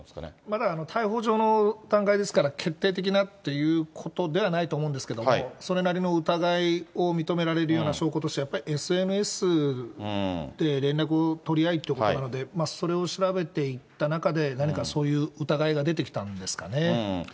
だから逮捕状の段階ですから、決定的なっていうことではないと思うんですけども、それなりの疑いを認められるような証拠として、やっぱりＳＮＳで連絡を取り合いってことなので、それを調べていった中で、何かそういう疑いが出てきたんですかね。